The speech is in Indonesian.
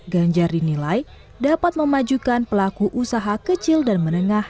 ganjar dinilai dapat memajukan pelaku usaha kecil dan menengah